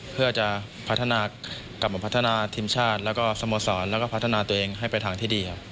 เพื่อจะพัฒนากลับมาพัฒนาทีมชาติแล้วก็สโมสรแล้วก็พัฒนาตัวเองให้ไปทางที่ดีครับ